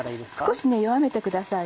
少し弱めてください。